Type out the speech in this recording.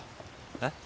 えっ？